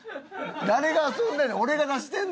誰が遊んでんねん。